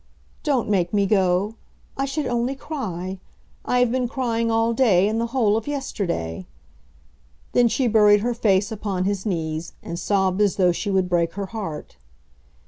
"Don't make me go. I should only cry. I have been crying all day, and the whole of yesterday." Then she buried her face upon his knees, and sobbed as though she would break her heart.